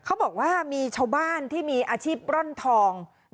เขาบอกว่ามีชาวบ้านที่มีอาชีพร่อนทอง